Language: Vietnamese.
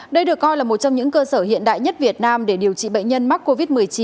đây được coi là một trong những cơ sở hiện đại nhất việt nam để điều trị bệnh nhân mắc covid một mươi chín